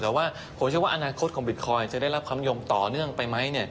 แต่ว่าผมเชื่อว่าอนาคตของบิตคอยน์จะได้รับคำยมต่อเนื่องไปไหม